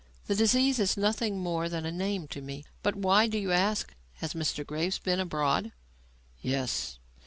"The disease is nothing more than a name to me. But why do you ask? Has Mr. Graves been abroad?" "Yes.